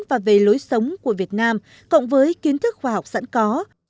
và về lối sống của việt nam cộng với kiến thức khoa học sẵn có